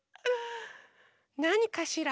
なにかしら？